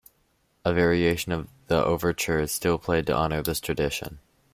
A variation of the overture is still played to honor this tradition.